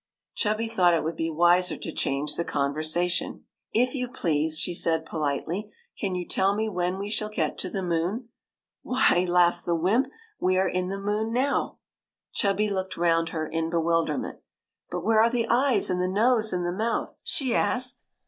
Chubby thought it would be wiser to change the conversation. " If you please," she said politely, '' can you tell me when we shall get to the moon? "" Why," laughed the wymp, " we are in the moon now !" Chubby looked round her in bewilderment. " But where are the eyes and the nose and the mouth ?" she asked.